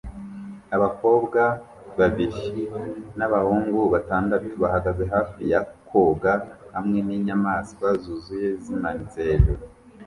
Abakobwa babiri n'abahungu batandatu bahagaze hafi ya koga hamwe ninyamaswa zuzuye zimanitse hejuru